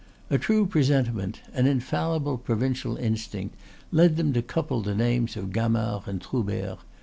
A true presentiment, an infallible provincial instinct, led them to couple the names of Gamard and Troubert.